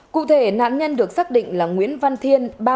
cụ thể nạn nhân được xác định là nguyễn văn thiên